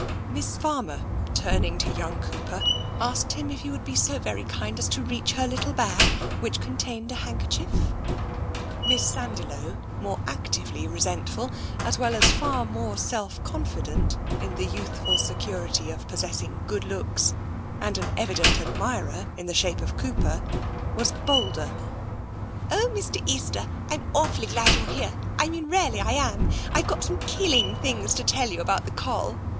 Miss Farmer, turning to young Cooper, asked him if he would be so very kind as to reach her little bag, which contained a handkerchief. Miss Sandiloe, more actively resentful, as well as far more self confident in the youthful security of possess ing good looks and an evident admirer in the shape of Cooper, was bolder. " Oh, Mr, Easter, Fm awfully glad you're here. I mean, really I am. I've got some killing things to tell you, about the Coll.